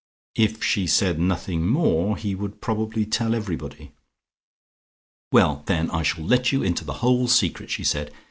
If she said nothing more, he would probably tell everybody.... "Well, then I shall let you into the whole secret," she said.